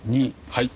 はい。